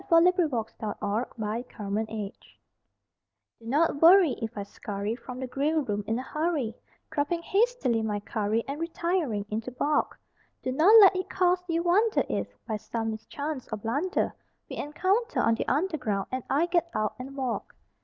CUPID'S DARTS (Which are a growing menace to the public) Do not worry if I scurry from the grill room in a hurry, Dropping hastily my curry and re tiring into balk ; Do not let it cause you wonder if, by some mischance or blunder, We encounter on the Underground and I get out and walk.